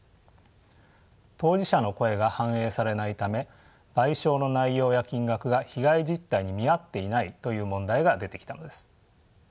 当事者の声が反映されないため賠償の内容や金額が被害実態に見合っていないという問題が出てきたのです。